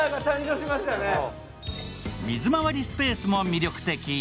水回りスペースも魅力的。